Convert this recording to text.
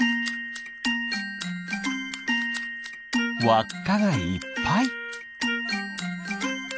わっかがいっぱい。